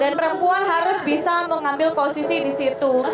dan perempuan harus bisa mengambil posisi di situ